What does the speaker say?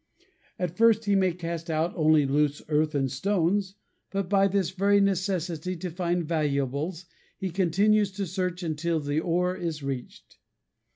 At first he may cast out only loose earth and stones, but by this very necessity to find valuables, he continues to search until the ore is reached.